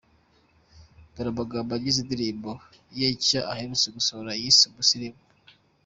Dore amagambo agize indirimbo ye nshya aherutse gusohora yise Umusirimu .